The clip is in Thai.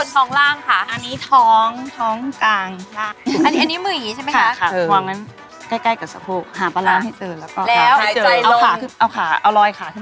ทำสักเส้นนึงก็เหมือนกัน๑๒หรือ๒๐